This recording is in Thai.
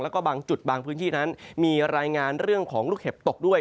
แล้วก็บางจุดบางพื้นที่นั้นมีรายงานเรื่องของลูกเห็บตกด้วย